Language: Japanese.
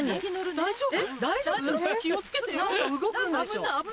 大丈夫？